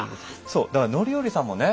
そうだから範頼さんもね